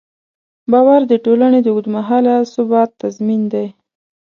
باور د ټولنې د اوږدمهاله ثبات تضمین دی.